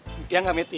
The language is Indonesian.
bukti yang gak meti